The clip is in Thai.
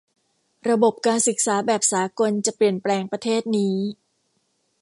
ระบบการศึกษาแบบสากลจะเปลี่ยนแปลงประเทศนี้